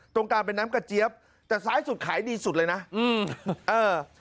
ตรงกลางเป็นน้ำกระเจี๊ยบแต่ซ้ายสุดขายดีสุดเลยนะอืมเออ